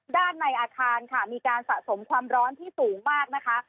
ในอาคารค่ะมีการสะสมความร้อนที่สูงมากนะคะ